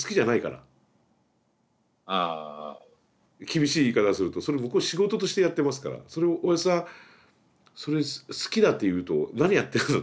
厳しい言い方するとそれ向こう仕事としてやってますからそれをおやぢさんそれを好きだって言うと何やってるのって話ですよ。